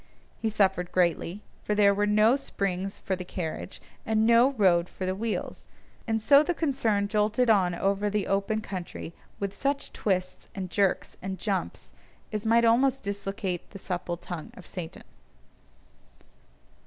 He suffered greatly, for there were no springs for the carriage, and no road for the wheels; and so the concern jolted on over the open country with such twists, and jerks, and jumps, as might almost dislocate the supple tongue of Satan.